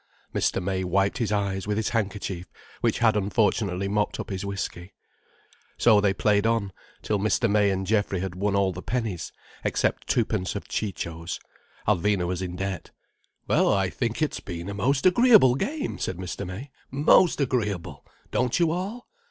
Mr. May wiped his eyes, with his handkerchief which had unfortunately mopped up his whiskey. So they played on, till Mr. May and Geoffrey had won all the pennies, except twopence of Ciccio's. Alvina was in debt. "Well I think it's been a most agreeable game," said Mr. May. "Most agreeable! Don't you all?"